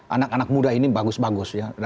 anak anak muda ini bagus bagus ya